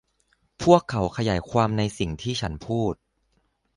พวกเขาขยายความในสิ่งที่ฉันพูด